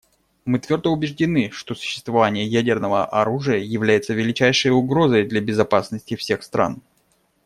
Мы твердо убеждены, что существование ядерного оружия является величайшей угрозой для безопасности всех стран.